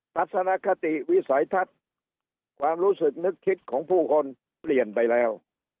ทัศนคติวิสัยทัศน์ความรู้สึกนึกคิดของผู้คนเปลี่ยนไปแล้ว